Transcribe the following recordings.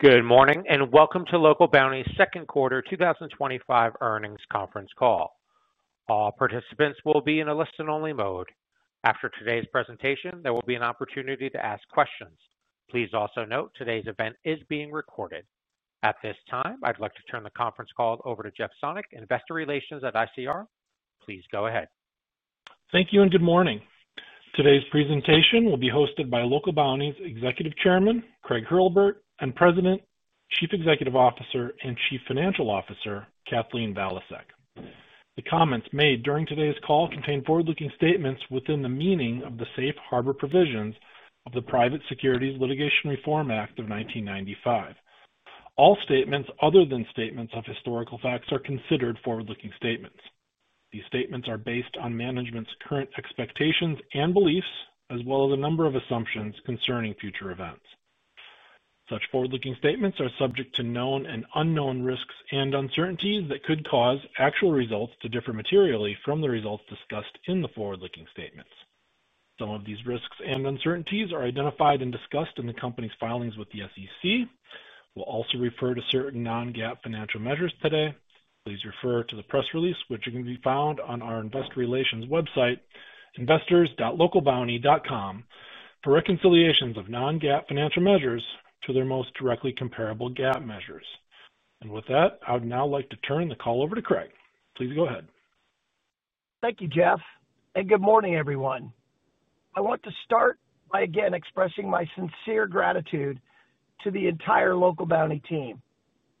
Good morning and welcome to Local Bounti's Second Quarter 2025 Earnings Conference Call. All participants will be in a listen-only mode. After today's presentation, there will be an opportunity to ask questions. Please also note today's event is being recorded. At this time, I'd like to turn the conference call over to Jeff Sonnek, Investor Relations at ICR. Please go ahead. Thank you and good morning. Today's presentation will be hosted by Local Bounti's Executive Chairman, Craig Hurlbert, and President, Chief Executive Officer, and Chief Financial Officer, Kathleen Valiasek. The comments made during today's call contain forward-looking statements within the meaning of the Safe Harbor provisions of the Private Securities Litigation Reform Act of 1995. All statements other than statements of historical facts are considered forward-looking statements. These statements are based on management's current expectations and beliefs, as well as a number of assumptions concerning future events. Such forward-looking statements are subject to known and unknown risks and uncertainties that could cause actual results to differ materially from the results discussed in the forward-looking statements. Some of these risks and uncertainties are identified and discussed in the company's filings with the SEC. We'll also refer to certain non-GAAP financial measures today. Please refer to the press release, which can be found on our Investor Relations website, investors.localbounti.com, for reconciliations of non-GAAP financial measures to their most directly comparable GAAP measures. I would now like to turn the call over to Craig. Please go ahead. Thank you, Jeff, and good morning, everyone. I want to start by again expressing my sincere gratitude to the entire Local Bounti team.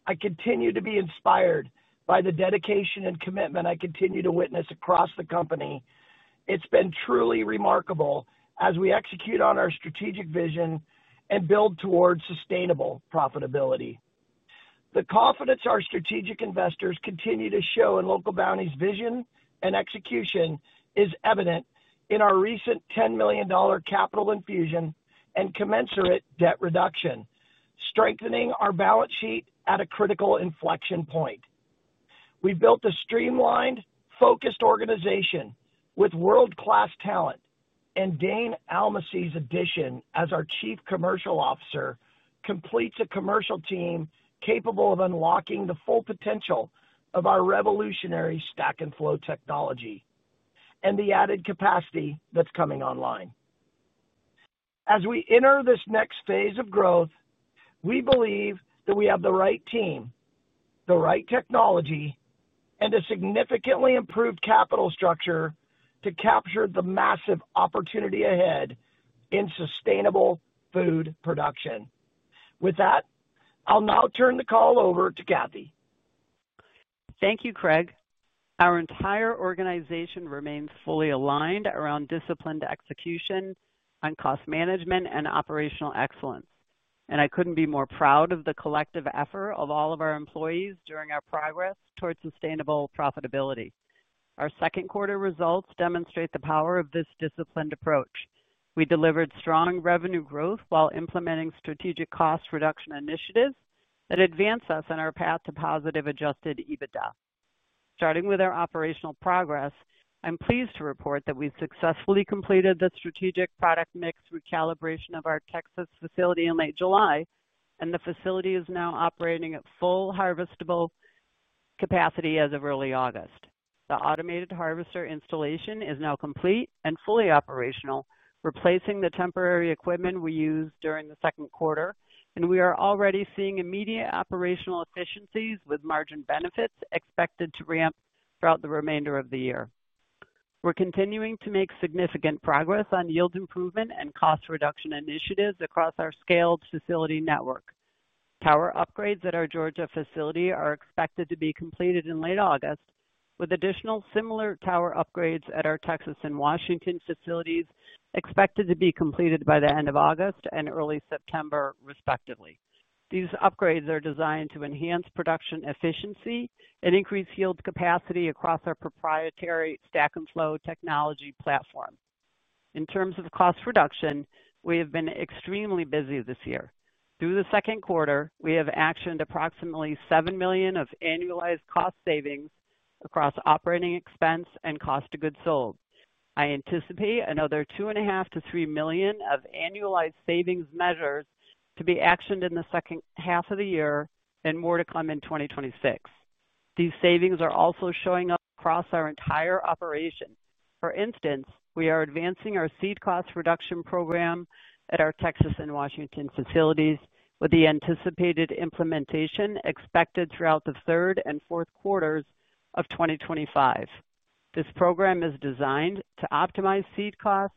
I continue to be inspired by the dedication and commitment I continue to witness across the company. It's been truly remarkable as we execute on our strategic vision and build towards sustainable profitability. The confidence our strategic investors continue to show in Local Bounti's vision and execution is evident in our recent $10 million capital infusion and commensurate debt reduction, strengthening our balance sheet at a critical inflection point. We built a streamlined, focused organization with world-class talent, and Dane Almesey 's addition as our Chief Commercial Officer completes a commercial team capable of unlocking the full potential of our revolutionary proprietary stack and flow technology and the added capacity that's coming online. As we enter this next phase of growth, we believe that we have the right team, the right technology, and a significantly improved capital structure to capture the massive opportunity ahead in sustainable food production. With that, I'll now turn the call over to Kathy. Thank you, Craig. Our entire organization remains fully aligned around disciplined execution, cost management, and operational excellence. I couldn't be more proud of the collective effort of all of our employees during our progress towards sustainable profitability. Our second quarter results demonstrate the power of this disciplined approach. We delivered strong revenue growth while implementing strategic cost reduction initiatives that advance us on our path to positive adjusted EBITDA. Starting with our operational progress, I'm pleased to report that we've successfully completed the strategic product mix recalibration of our Texas facility in late July, and the facility is now operating at full harvestable capacity as of early August. The automated harvester installation is now complete and fully operational, replacing the temporary equipment we used during the second quarter, and we are already seeing immediate operational efficiencies with margin benefits expected to ramp throughout the remainder of the year. We're continuing to make significant progress on yield improvement and cost reduction initiatives across our scaled facility network. Tower upgrades at our Georgia facility are expected to be completed in late August, with additional similar tower upgrades at our Texas and Washington facilities expected to be completed by the end of August and early September, respectively. These upgrades are designed to enhance production efficiency and increase yield capacity across our proprietary stack and flow technology platform. In terms of cost reduction, we have been extremely busy this year. Through the second quarter, we have actioned approximately $7 million of annualized cost savings across operating expense and cost of goods sold. I anticipate another $2.5 million-$3 million of annualized savings measures to be actioned in the second half of the year and more to come in 2026. These savings are also showing up across our entire operation. For instance, we are advancing our seed cost reduction program at our Texas and Washington facilities, with the anticipated implementation expected throughout the third and fourth quarters of 2025. This program is designed to optimize seed costs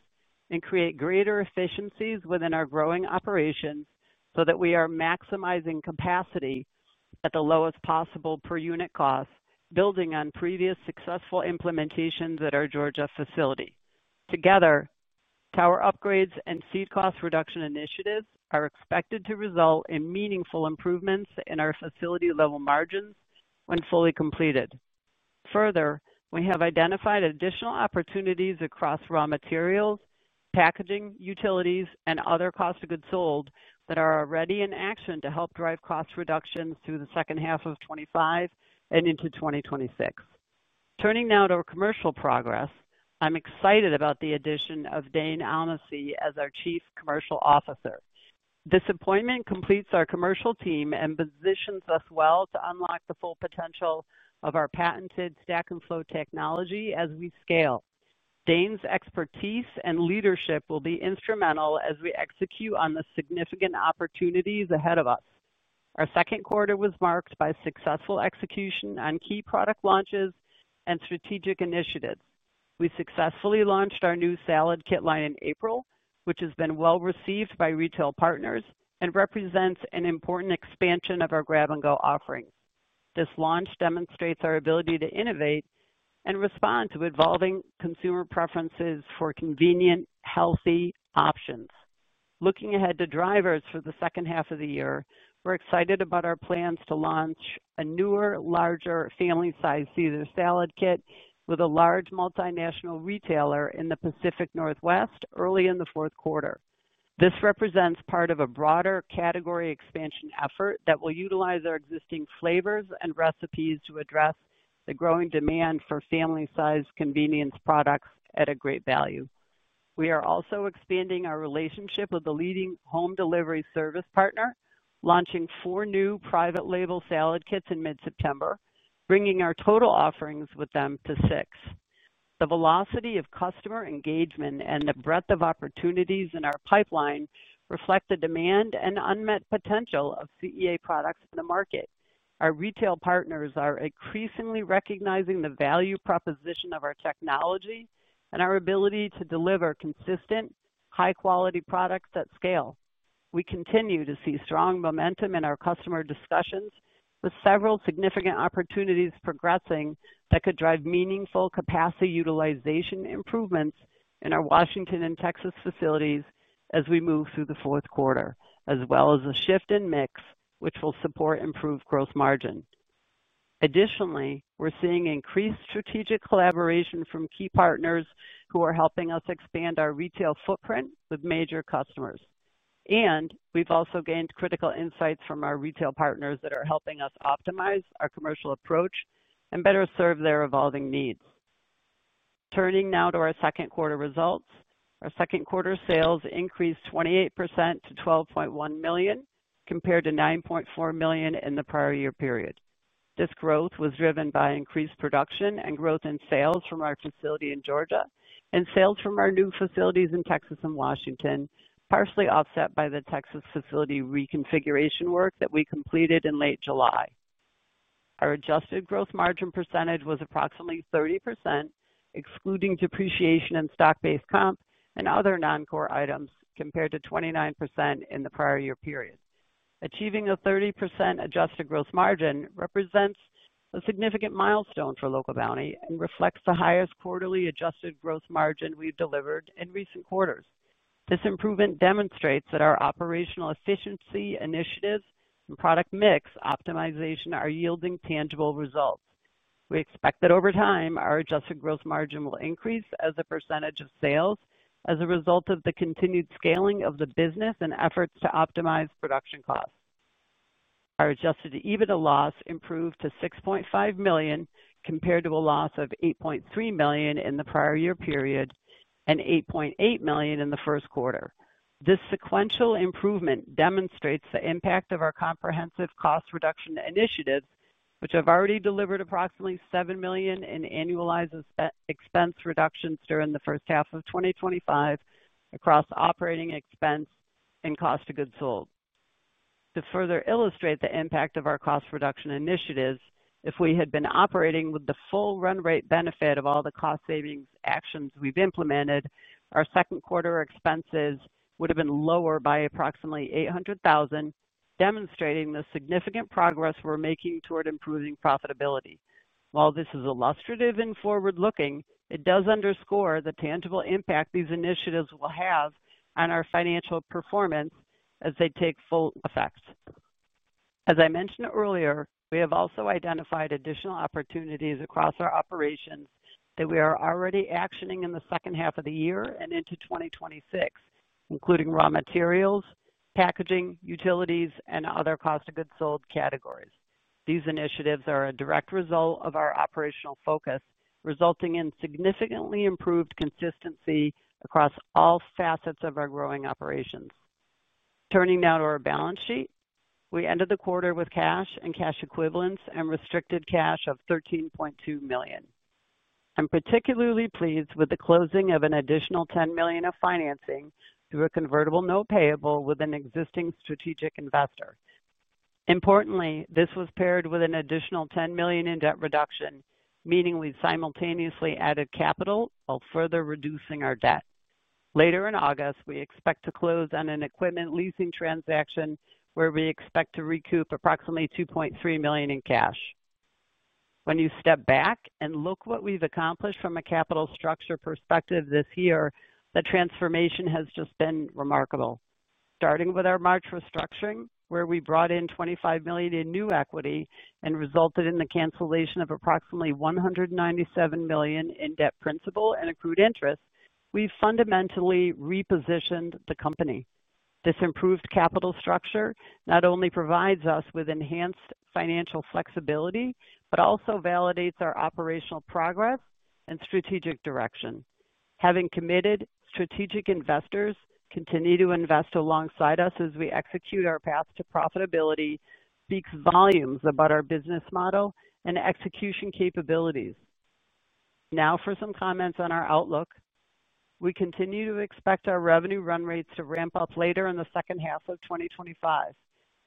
and create greater efficiencies within our growing operations so that we are maximizing capacity at the lowest possible per unit cost, building on previous successful implementations at our Georgia facility. Together, tower upgrades and seed cost reduction initiatives are expected to result in meaningful improvements in our facility level margins when fully completed. Further, we have identified additional opportunities across raw materials, packaging, utilities, and other cost of goods sold that are already in action to help drive cost reductions through the second half of 2025 and into 2026. Turning now to our commercial progress, I'm excited about the addition of Dane Almesey as our Chief Commercial Officer. This appointment completes our commercial team and positions us well to unlock the full potential of our proprietary stack and flow technology as we scale. Dane's expertise and leadership will be instrumental as we execute on the significant opportunities ahead of us. Our second quarter was marked by successful execution on key product launches and strategic initiatives. We successfully launched our new grab-and-go salad kit line in April, which has been well received by retail partners and represents an important expansion of our grab-and-go offering. This launch demonstrates our ability to innovate and respond to evolving consumer preferences for convenient, healthy options. Looking ahead to drivers for the second half of the year, we're excited about our plans to launch a newer, larger family-sized Caesar salad kit with a large multinational retailer in the Pacific Northwest early in the fourth quarter. This represents part of a broader category expansion effort that will utilize our existing flavors and recipes to address the growing demand for family-sized convenience products at a great value. We are also expanding our relationship with the private label home delivery partner, launching four new private label salad kits in mid-September, bringing our total offerings with them to six. The velocity of customer engagement and the breadth of opportunities in our pipeline reflect the demand and unmet potential of CEA products in the market. Our retail partners are increasingly recognizing the value proposition of our technology and our ability to deliver consistent, high-quality products at scale. We continue to see strong momentum in our customer discussions, with several significant opportunities progressing that could drive meaningful capacity utilization improvements in our Washington and Texas facilities as we move through the fourth quarter, as well as a shift in mix which will support improved gross margin. Additionally, we're seeing increased strategic collaboration from key partners who are helping us expand our retail footprint with major customers. We've also gained critical insights from our retail partners that are helping us optimize our commercial approach and better serve their evolving needs. Turning now to our second quarter results, our second quarter sales increased 28% to $12.1 million compared to $9.4 million in the prior year period. This growth was driven by increased production and growth in sales from our facility in Georgia and sales from our new facilities in Texas and Washington, partially offset by the Texas facility reconfiguration work that we completed in late July. Our adjusted gross margin percentage was approximately 30%, excluding depreciation and stock-based comp and other non-core items, compared to 29% in the prior year period. Achieving a 30% adjusted gross margin represents a significant milestone for Local Bounti and reflects the highest quarterly adjusted gross margin we've delivered in recent quarters. This improvement demonstrates that our operational efficiency initiatives and product mix optimization are yielding tangible results. We expect that over time, our adjusted gross margin will increase as a percentage of sales as a result of the continued scaling of the business and efforts to optimize production costs. Our adjusted EBITDA loss improved to $6.5 million compared to a loss of $8.3 million in the prior year period and $8.8 million in the first quarter. This sequential improvement demonstrates the impact of our comprehensive cost reduction initiatives, which have already delivered approximately $7 million in annualized expense reductions during the first half of 2025 across operating expense and cost of goods sold. To further illustrate the impact of our cost reduction initiatives, if we had been operating with the full run-rate benefit of all the cost-savings actions we've implemented, our second quarter expenses would have been lower by approximately $800,000, demonstrating the significant progress we're making toward improving profitability. While this is illustrative and forward-looking, it does underscore the tangible impact these initiatives will have on our financial performance as they take full effect. As I mentioned earlier, we have also identified additional opportunities across our operations that we are already actioning in the second half of the year and into 2026, including raw materials, packaging, utilities, and other cost of goods sold categories. These initiatives are a direct result of our operational focus, resulting in significantly improved consistency across all facets of our growing operations. Turning now to our balance sheet, we ended the quarter with cash and cash equivalents and restricted cash of $13.2 million. I'm particularly pleased with the closing of an additional $10 million of financing through a convertible note payable with an existing strategic investor. Importantly, this was paired with an additional $10 million in debt reduction, meaning we simultaneously added capital while further reducing our debt. Later in August, we expect to close on an equipment leasing transaction where we expect to recoup approximately $2.3 million in cash. When you step back and look at what we've accomplished from a capital structure perspective this year, the transformation has just been remarkable. Starting with our March restructuring, where we brought in $25 million in new equity and resulted in the cancellation of approximately $197 million in debt principal and accrued interest, we've fundamentally repositioned the company. This improved capital structure not only provides us with enhanced financial flexibility but also validates our operational progress and strategic direction. Having committed strategic investors continue to invest alongside us as we execute our path to profitability speaks volumes about our business model and execution capabilities. Now for some comments on our outlook. We continue to expect our revenue run rates to ramp up later in the second half of 2025.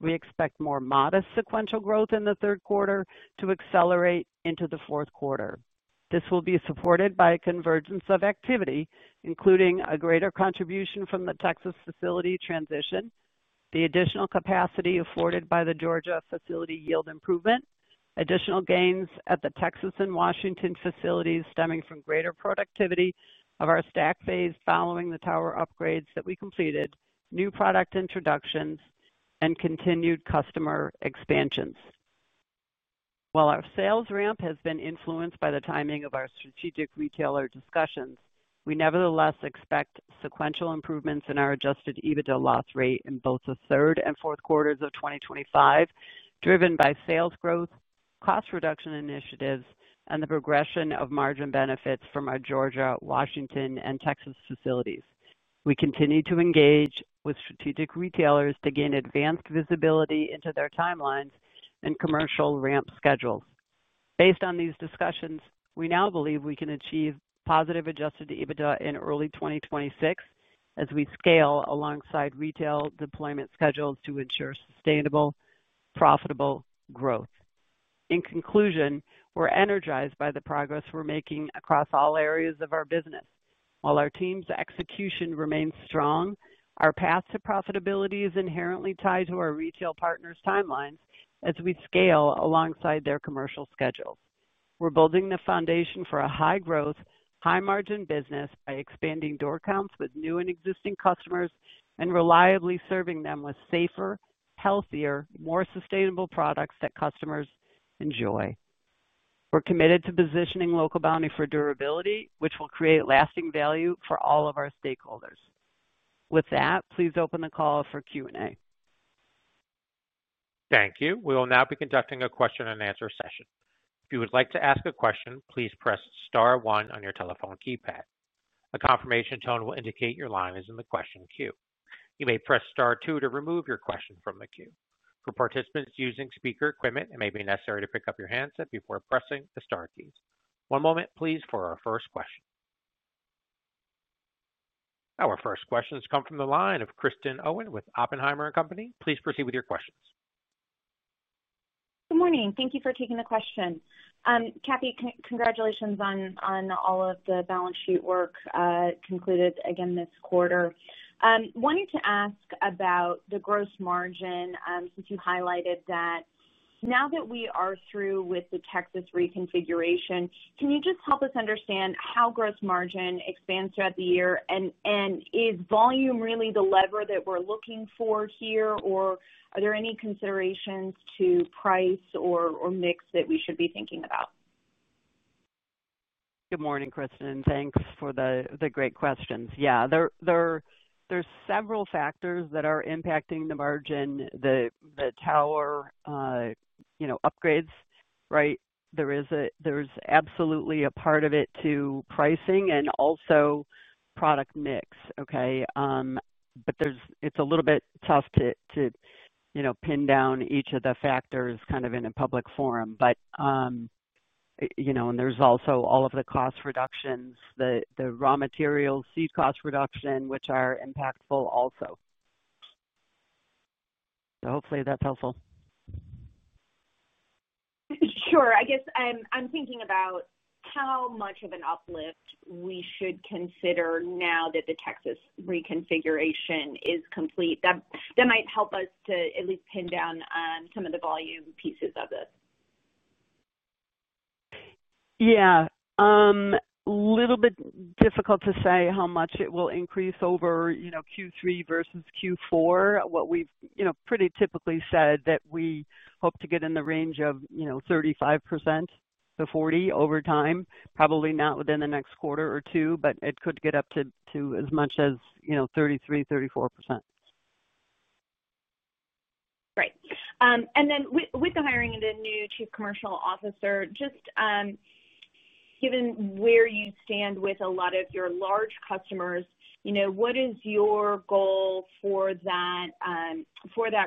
We expect more modest sequential growth in the third quarter to accelerate into the fourth quarter. This will be supported by a convergence of activity, including a greater contribution from the Texas facility transition, the additional capacity afforded by the Georgia facility yield improvement, additional gains at the Texas and Washington facilities stemming from greater productivity of our stack phase following the tower upgrades that we completed, new product introductions, and continued customer expansions. While our sales ramp has been influenced by the timing of our strategic retailer discussions, we nevertheless expect sequential improvements in our adjusted EBITDA loss rate in both the third and fourth quarters of 2025, driven by sales growth, cost reduction initiatives, and the progression of margin benefits from our Georgia, Washington, and Texas facilities. We continue to engage with strategic retailers to gain advanced visibility into their timelines and commercial ramp schedules. Based on these discussions, we now believe we can achieve positive adjusted EBITDA in early 2026 as we scale alongside retail deployment schedules to ensure sustainable, profitable growth. In conclusion, we're energized by the progress we're making across all areas of our business. While our team's execution remains strong, our path to profitability is inherently tied to our retail partners' timelines as we scale alongside their commercial schedules. We're building the foundation for a high-growth, high-margin business by expanding door counts with new and existing customers and reliably serving them with safer, healthier, more sustainable products that customers enjoy. We're committed to positioning Local Bounti for durability, which will create lasting value for all of our stakeholders. With that, please open the call for Q&A. Thank you. We will now be conducting a question-and-answer session. If you would like to ask a question, please press Star, one on your telephone keypad. A confirmation tone will indicate your line is in the question queue. You may press Star, two to remove your question from the queue. For participants using speaker equipment, it may be necessary to pick up your handset before pressing the Star keys. One moment, please, for our first question. Our first questions come from the line of Kristen Owen with Oppenheimer & Company. Please proceed with your questions. Good morning. Thank you for taking the question. Kathleen, congratulations on all of the balance sheet work, concluded again this quarter. I wanted to ask about the gross margin, since you highlighted that. Now that we are through with the Texas reconfiguration, can you just help us understand how gross margin expands throughout the year? Is volume really the lever that we're looking for here, or are there any considerations to price or mix that we should be thinking about? Good morning, Kristen. Thanks for the great questions. Yeah, there are several factors that are impacting the margin, the tower upgrades, right? There is absolutely a part of it to pricing and also product mix, okay? It's a little bit tough to pin down each of the factors kind of in a public forum. There's also all of the cost reductions, the raw material seed cost reduction, which are impactful also. Hopefully that's helpful. Sure. I'm thinking about how much of an uplift we should consider now that the Texas reconfiguration is complete. That might help us to at least pin down on some of the volume pieces of this. Yeah, a little bit difficult to say how much it will increase over, you know, Q3 versus Q4. What we've pretty typically said is that we hope to get in the range of 35%-40% over time, probably not within the next quarter or two, but it could get up to as much as 33%, 34%. Great. With the hiring of the new Chief Commercial Officer, just given where you stand with a lot of your large customers, what is your goal for that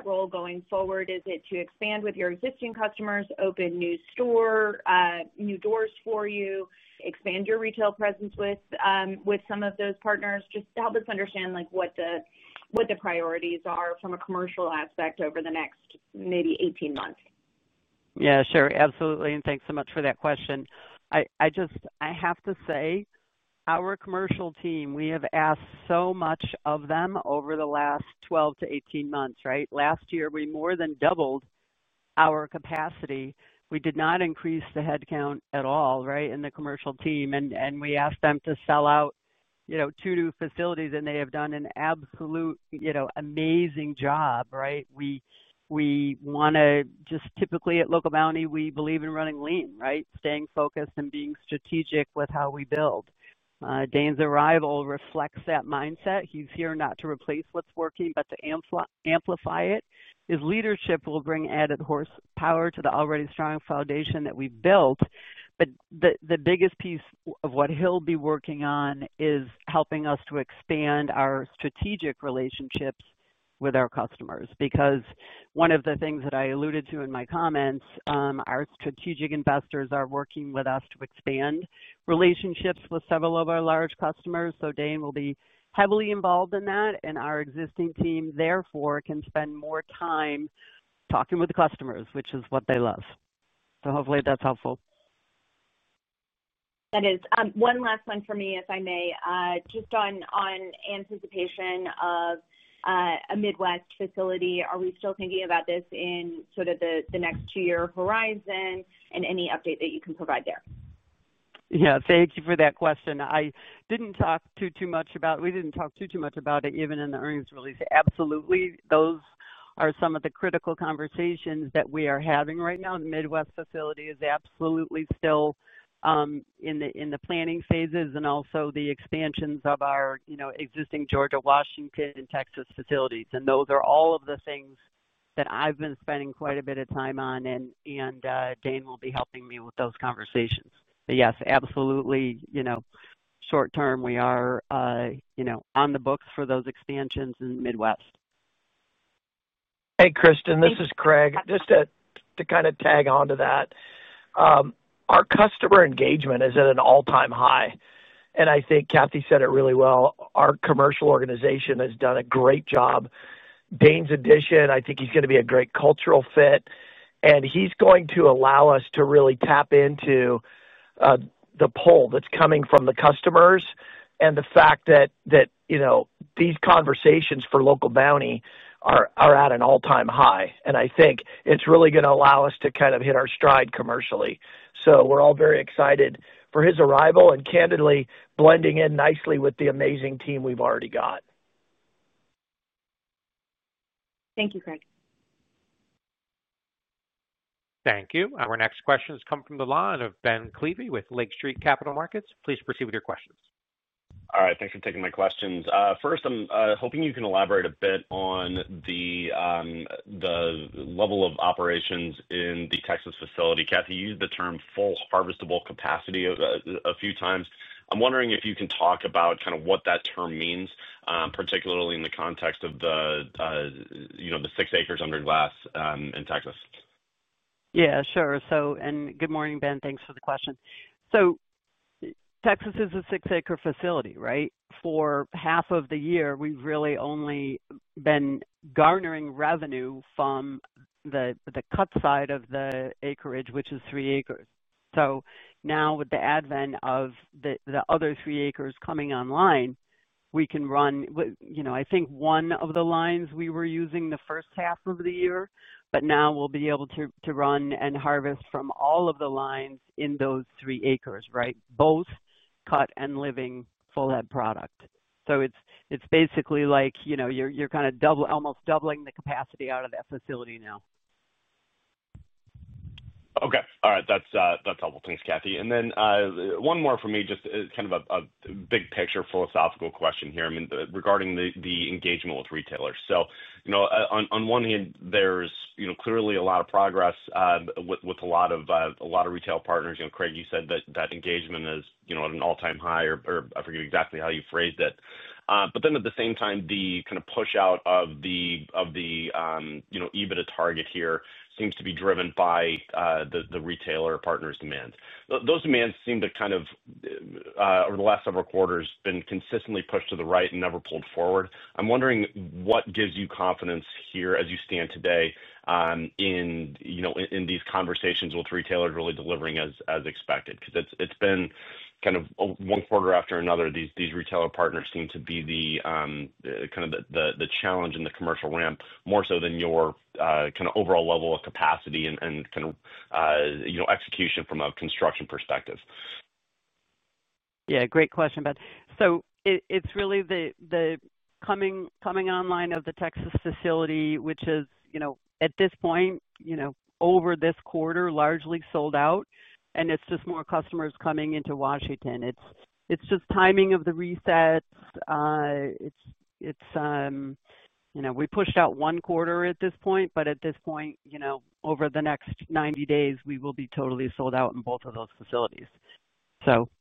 role going forward? Is it to expand with your existing customers, open new store, new doors for you, expand your retail presence with some of those partners? Just help us understand what the priorities are from a commercial aspect over the next maybe 18 months. Yeah, sure. Absolutely. Thanks so much for that question. I have to say our commercial team, we have asked so much of them over the last 12-18 months, right? Last year, we more than doubled our capacity. We did not increase the headcount at all in the commercial team. We asked them to sell out two new facilities, and they have done an absolute amazing job, right? We want to just typically at Local Bounti, we believe in running lean, right? Staying focused and being strategic with how we build. Dane's arrival reflects that mindset. He's here not to replace what's working, but to amplify it. His leadership will bring added horsepower to the already strong foundation that we've built. The biggest piece of what he'll be working on is helping us to expand our strategic relationships with our customers. One of the things that I alluded to in my comments, our strategic investors are working with us to expand relationships with several of our large customers. Dane will be heavily involved in that, and our existing team, therefore, can spend more time talking with the customers, which is what they love. Hopefully that's helpful. That is. One last one for me, if I may, just on anticipation of a Midwest facility. Are we still thinking about this in sort of the next two-year horizon, and any update that you can provide there? Thank you for that question. I didn't talk too much about it, we didn't talk too much about it even in the earnings release. Absolutely, those are some of the critical conversations that we are having right now. The Midwest facility is absolutely still in the planning phases, and also the expansions of our existing Georgia, Washington, and Texas facilities. Those are all of the things that I've been spending quite a bit of time on, and Dane will be helping me with those conversations. Yes, absolutely, short term, we are on the books for those expansions in the Midwest. Hey, Kristen, this is Craig. Just to kind of tag onto that, our customer engagement is at an all-time high. I think Kathy said it really well. Our commercial organization has done a great job. Dane's addition, I think he's going to be a great cultural fit, and he's going to allow us to really tap into the pull that's coming from the customers and the fact that, you know, these conversations for Local Bounti are at an all-time high. I think it's really going to allow us to kind of hit our stride commercially. We're all very excited for his arrival and candidly blending in nicely with the amazing team we've already got. Thank you, Craig. Thank you. Our next questions come from the line of Ben Klieve with Lake Street Capital Markets. Please proceed with your questions. All right, thanks for taking my questions. First, I'm hoping you can elaborate a bit on the level of operations in the Texas facility. Kathy, you used the term full harvestable capacity a few times. I'm wondering if you can talk about what that term means, particularly in the context of the 6 acres under glass in Texas. Yeah, sure. Good morning, Ben. Thanks for the question. Texas is a 6-acre facility, right? For half of the year, we've really only been garnering revenue from the cut side of the acreage, which is three acres. Now with the advent of the other three acres coming online, we can run, you know, I think one of the lines we were using the first half of the year, but now we'll be able to run and harvest from all of the lines in those three acres, right? Both cut and living full head product. It's basically like, you know, you're kind of double, almost doubling the capacity out of that facility now. Okay. All right. That's helpful. Thanks, Kathy. One more for me, just kind of a big picture philosophical question here regarding the engagement with retailers. On one hand, there's clearly a lot of progress with a lot of retail partners. Craig, you said that engagement is at an all-time high, or I forget exactly how you phrased it. At the same time, the kind of push-out of the EBITDA target here seems to be driven by the retailer partners' demands. Those demands seem to, over the last several quarters, have been consistently pushed to the right and never pulled forward. I'm wondering what gives you confidence here as you stand today in these conversations with retailers really delivering as expected? It's been kind of one quarter after another, these retailer partners seem to be the challenge in the commercial ramp, more so than your overall level of capacity and execution from a construction perspective. Great question, Ben. It's really the coming online of the Texas facility, which is at this point, over this quarter, largely sold out, and it's just more customers coming into Washington. It's just timing of the resets. We pushed out one quarter at this point, but at this point, over the next 90 days, we will be totally sold out in both of those facilities.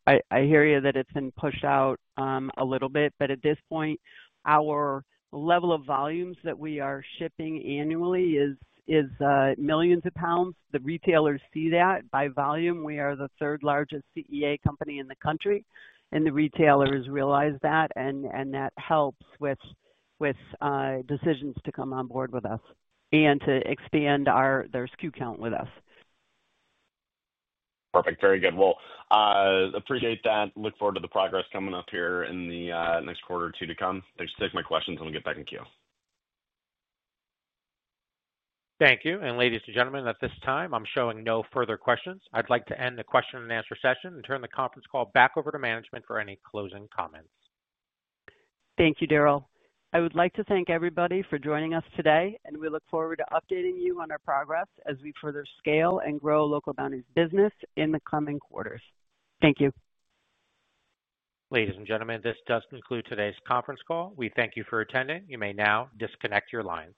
I hear you that it's been pushed out a little bit, but at this point, our level of volumes that we are shipping annually is millions of pounds. The retailers see that by volume. We are the third largest CEA company in the country, and the retailers realize that, and that helps with decisions to come on board with us and to expand their SKU count with us. Perfect. Very good. I appreciate that. I look forward to the progress coming up here in the next quarter or two to come. Thanks for taking my questions. I'm going to get back in queue. Thank you. Ladies and gentlemen, at this time, I'm showing no further questions. I'd like to end the question and answer session and turn the conference call back over to management for any closing comments. Thank you, Daryl. I would like to thank everybody for joining us today, and we look forward to updating you on our progress as we further scale and grow Local Bounti's business in the coming quarters. Thank you. Ladies and gentlemen, this does conclude today's conference call. We thank you for attending. You may now disconnect your lines.